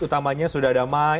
utamanya sudah damai